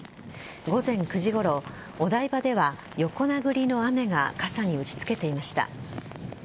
午前９時ごろ、お台場では横殴りの雨が傘に打ち付けていました。